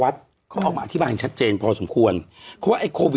ได้ใช่